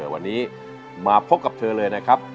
วันนี้มาพบกับเธอเลยนะครับ